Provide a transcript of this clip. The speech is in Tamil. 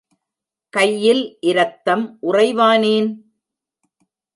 கையில் இரத்தம் உறைவானேன்?